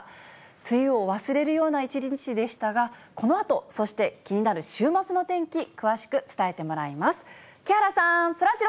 梅雨を忘れるような一日でしたが、このあと、そして気になる週末の天気、詳しく伝えてもらいます。